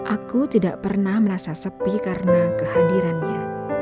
aku tidak pernah merasa sepi karena kehadirannya